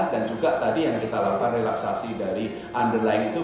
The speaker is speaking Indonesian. dan juga tadi yang kita lakukan relaksasi dari underlying itu